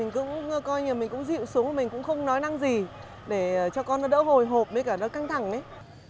mình cũng coi như mình cũng dịu xuống mình cũng không nói năng gì để cho con nó đỡ hồi hộp với cả nó căng thẳng ấy